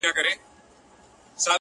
په توبو یې راولمه ستا تر ځایه!.